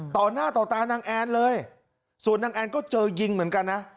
ต่อหน้าต่อตานางแอนเลยส่วนนางแอนก็เจอยิงเหมือนกันนะ